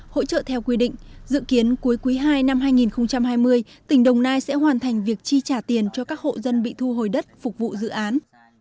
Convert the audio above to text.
hỗ trợ theo quy định dự kiến cuối quý ii năm hai nghìn hai mươi tỉnh đồng nai sẽ hoàn thành việc chi trả tiền cho các hộ dân bị thu hồi đất phục vụ dự án